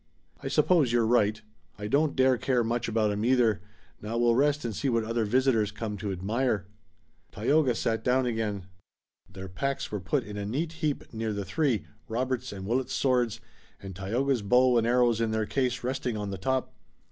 "I suppose you're right. I don't dare care much about 'em either. Now we'll rest and see what other visitors come to admire." Tayoga sat down again. Their packs were put in a neat heap near the three, Robert's and Willet's swords, and Tayoga's bow and arrows in their case resting on the top.